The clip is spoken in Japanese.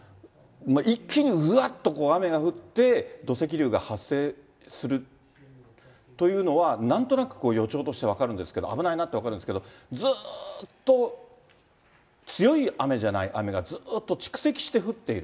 一気にうわっと雨が降って、土石流が発生するというのは、なんとなく予兆として分かるんですけれども、危ないなって分かるんですけど、ずーっと強い雨じゃない雨がずーっと蓄積して降っている。